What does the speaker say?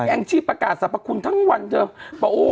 แอ้งที่ประกาศทรัพย์ขุมทั้งวันเท่านี้